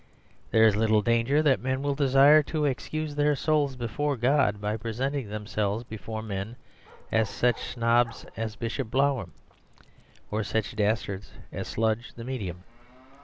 There is little danger that men will desire to excuse their souls before God by presenting themselves before men as such snobs as Bishop Blougram, or such dastards as Sludge the Medium.